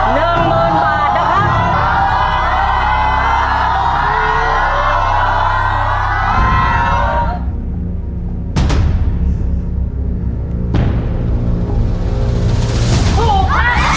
ถ้าถูกข้อนี้๑๐๐๐๐บาทนะครับ